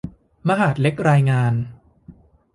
มหาดเล็กรายงาน